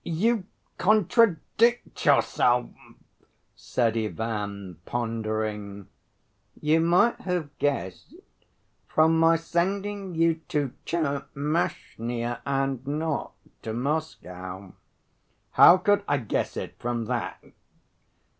You contradict yourself!" said Ivan, pondering. "You might have guessed from my sending you to Tchermashnya and not to Moscow." "How could I guess it from that?"